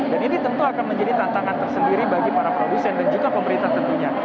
dan ini tentu akan menjadi tantangan tersendiri bagi para produsen dan juga pemerintah tentunya